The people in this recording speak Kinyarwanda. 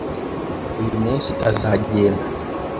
uyu munsi azagenda.